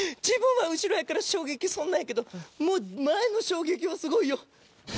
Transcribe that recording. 自分は後ろやから衝撃そんなやけどもう前の衝撃はすごいよ。